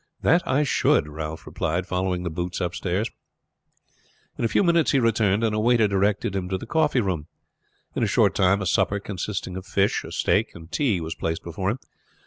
"That I should," Ralph replied, following the boots upstairs. In a few minutes he returned, and a waiter directed him to the coffee room. In a short time a supper consisting of fish, a steak, and tea was placed before him.